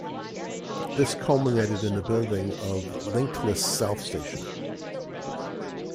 This culminated in the building of Llynclys South station.